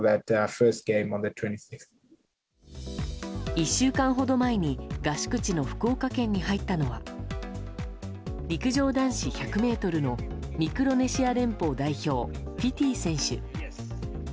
１週間ほど前に合宿地の福岡県に入ったのは陸上男子１００ｍのミクロネシア連邦代表フィティ選手。